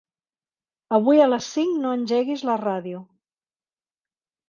Avui a les cinc no engeguis la ràdio.